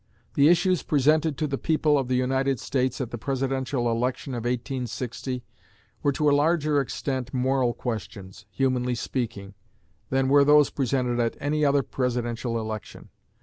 The issues presented to the people of the United States at the Presidential election of 1860 were to a larger extent moral questions, humanly speaking, than were those presented at any other Presidential election.